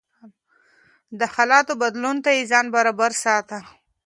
د حالاتو بدلون ته يې ځان برابر ساته.